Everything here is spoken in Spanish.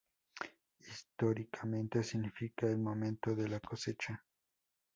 Históricamente significa el momento de la cosecha.